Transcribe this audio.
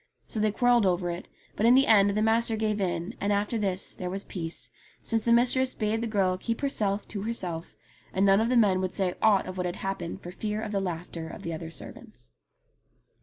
So they quarrelled over it ; but in the end the master gave in, and after this there was peace, since the mistress bade the girl keep herself to herself, and none of the men would say ought of what had happened for fear of the laughter of the other servants.